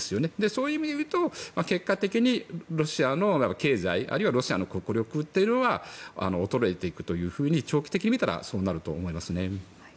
そういう意味でいうと結果的にロシアの経済あるいはロシアの国力というのは衰えていくと長期的に見たらそうなると思いますね。